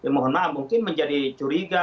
mohon maaf mungkin menjadi curiga